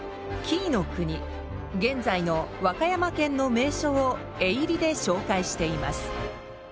紀伊国現在の和歌山県の名所を絵入りで紹介しています